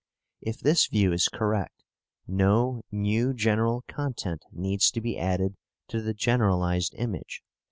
If this view is correct, no new general content needs to be added to the generalized image.